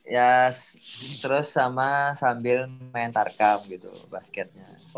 ya terus sama sambil main tarkam gitu basketnya